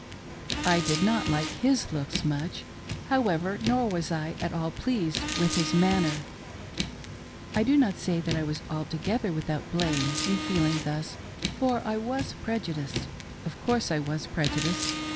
I did not like his looks much, however, nor was I at all pleased with his manner. I do not say that I was altogether without blame in feeling thus, for I was prejudiced. Of course I was prejudiced.